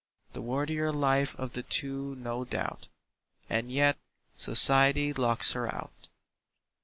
The worthier life of the two, no doubt, And yet "Society" locks her out.